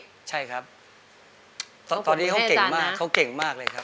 อเจมส์ใช่ครับตอนนี้เขาเก่งมากเลยครับ